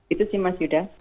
itu sih mas yuda